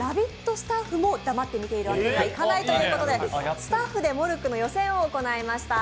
スタッフも黙って見ているわけにはいかないということで、スタッフでモルックの予選を行いました。